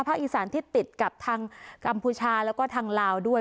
อีสานที่ติดกับทางกัมพูชาแล้วก็ทางลาวด้วย